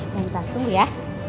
bentar tunggu ya